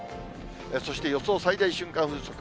そして予想最大瞬間風速。